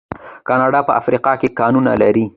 کاناډا په افریقا کې کانونه لري.